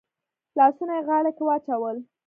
لاسونه يې غاړه کې واچول.